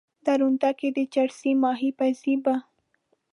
درونټه کې د چرسي ماهي پزي به